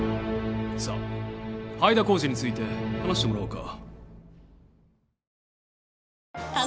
さあ灰田コーチについて話してもらおうか。